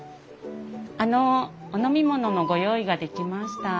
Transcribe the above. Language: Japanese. あのお飲み物のご用意ができました。